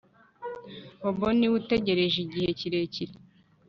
Bobo niwe utegereje igihe kirekire